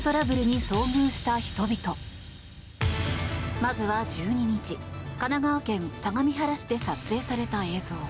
まずは、１２日神奈川県相模原市で撮影された映像。